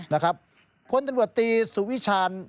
นะครับพลตำรวจตีสุวิชาญ